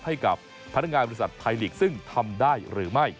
ให้กับพนักงานบริษัทไทยลีกซึ่งทำได้หรือไม่